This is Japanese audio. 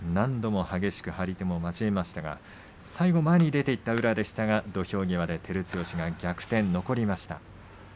何度も激しく張り手を交えましたが最後前に出ていった宇良でしたが、土俵際で照強が逆転、残りました。